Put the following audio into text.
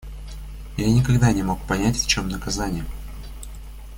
Я никогда не мог понять, в чем наказанье.